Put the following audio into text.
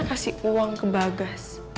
kasi uang ke bagas